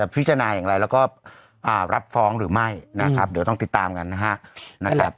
พิจารณาอย่างไรแล้วก็รับฟ้องหรือไม่นะครับเดี๋ยวต้องติดตามกันนะครับ